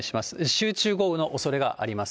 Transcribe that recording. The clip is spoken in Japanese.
集中豪雨のおそれがあります。